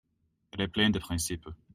Elle est pleine de principes.